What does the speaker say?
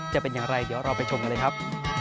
จะเป็นอย่างไรเดี๋ยวเราไปชมกันเลยครับ